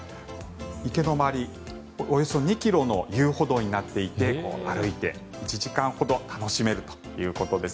池の周り、およそ２ｋｍの遊歩道になっていて歩いて１時間ほど楽しめるということです。